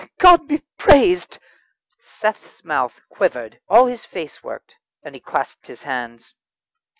"God be praised!" Seth's mouth quivered, all his face worked, and he clasped his hands.